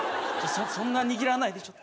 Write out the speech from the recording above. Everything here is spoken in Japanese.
そんな握らないでしょ。